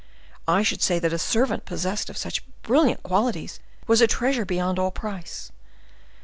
I should say that a servant possessed of such brilliant qualities was a treasure beyond all price.